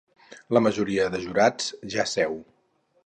La majoria de jurats ja seu.